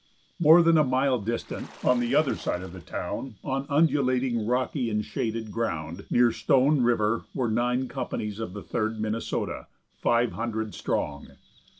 More than a mile distant, on the other side of the town, on undulating, rocky and shaded ground, near Stone river, were nine companies of the Third Minnesota, five hundred strong.